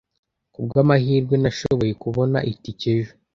kubwamahirwe, nashoboye kubona itike ejo